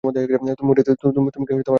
মুনির, তুমি কি আমাকে চিনতে পারছ?